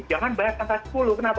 jangan bayar angka sepuluh kenapa